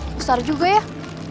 untung cepat lima juta man